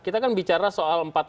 kita kan bicara soal empat tahun kan